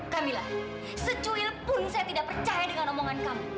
kamila secuil pun saya tidak percaya dengan omongan kami